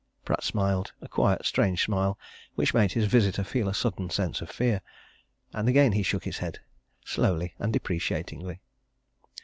Pratt smiled a quiet, strange smile which made his visitor feel a sudden sense of fear. And again he shook his head, slowly and deprecatingly.